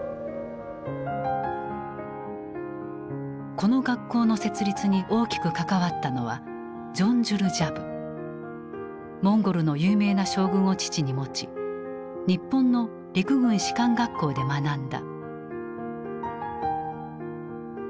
この学校の設立に大きく関わったのはモンゴルの有名な将軍を父に持ち日本の陸軍士官学校で学んだ。